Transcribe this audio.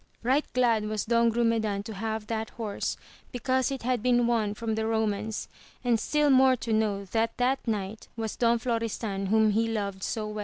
Eight glad was Don Grumedan to have that horse because it had been won from the Eomans, and still more to know that that knight was Don Florestan whom he loved so weD.